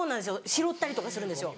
拾ったりとかするんですよ。